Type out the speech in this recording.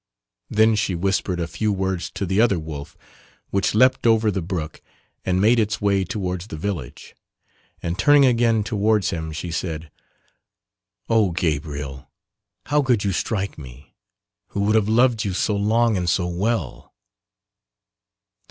Then she whispered a few words to the other wolf, which leapt over the brook and made its way towards the village, and turning again towards him she said, "Oh Gabriel, how could you strike me, who would have loved you so long and so well."